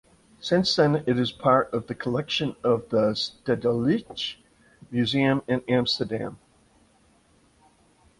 Since then it is part of the Collection of the Stedelijk Museum in Amsterdam.